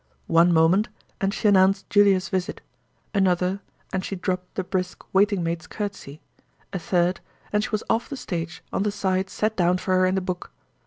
One moment—and she announced Julia's visit; another—and she dropped the brisk waiting maid's courtesy; a third—and she was off the stage on the side set down for her in the book.